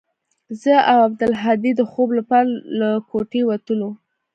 زه او عبدالهادي د خوب لپاره له كوټې وتلو.